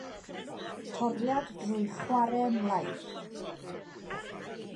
Toriad drwy chwarren laeth.